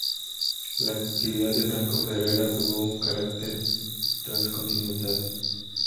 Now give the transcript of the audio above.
La actividad de Franco Ferrara tuvo un carácter transcontinental.